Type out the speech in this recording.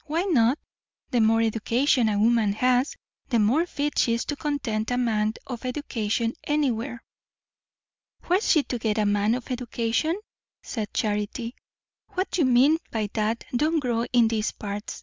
"Why not? The more education a woman has, the more fit she is to content a man of education, anywhere." "Where's she to get a man of education?" said Charity. "What you mean by that don't grow in these parts.